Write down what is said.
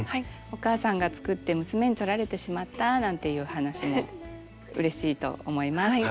お母さんが作って娘に取られてしまったなんていう話もうれしいと思います。